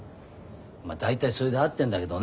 ま大体それで合ってんだけどね